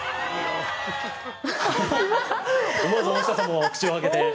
思わず大下さんも口を開けて。